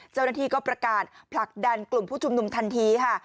เจ้าหน้าที่ก็ประกาศผลักดันกลุ่มผู้ชุมนุมทันทีค่ะ